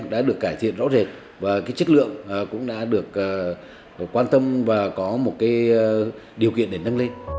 đã được cải thiện rõ rệt và chất lượng cũng đã được cải thiện